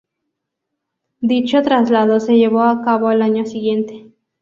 Dicho traslado se llevó a cabo al año siguiente.